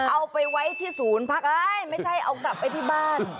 เอาไปไว้ที่ศูนย์พักเอ้ยไม่ใช่เอากลับไปที่บ้าน